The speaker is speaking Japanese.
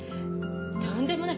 とんでもない！